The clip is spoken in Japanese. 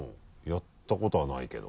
やったことはないけど。